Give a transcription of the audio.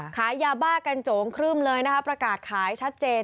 ขายยาบ้ากันโจงครึ่มเลยนะคะประกาศขายชัดเจน